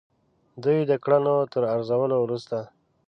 دوی د کړنو تر ارزولو وروسته.